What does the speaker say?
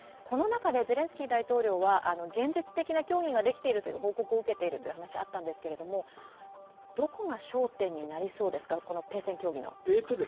この中でゼレンスキー大統領は現実的な協議ができているという報告を受けているという話があったんですけれども、この停戦協議のどこが焦点になりそうですか？